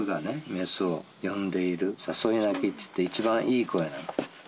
メスを呼んでいる誘い鳴きっていって一番いい声なんだ